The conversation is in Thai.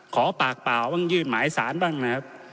ขอปากเปล่าบ้างยื่นหมายสารบ้างนะครับ